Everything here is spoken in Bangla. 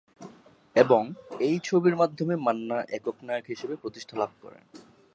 এবং এই ছবির মাধ্যমে মান্না একক নায়ক হিসেবে প্রতিষ্ঠা লাভ করে।